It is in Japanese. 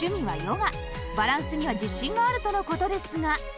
バランスには自信があるとの事ですが